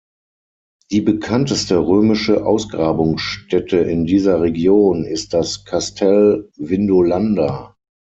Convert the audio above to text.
Die bekannteste römische Ausgrabungsstätte in dieser Region ist das Kastell Vindolanda.